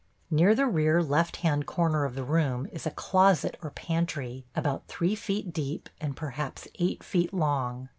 Near the rear, left hand corner of the room is a closet or pantry, about three feet deep, and perhaps eight feet long.